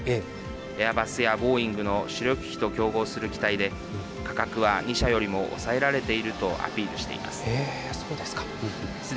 エアバスやボーイングの主力機と競合する機体で価格は２社よりも抑えられているとアピールしています。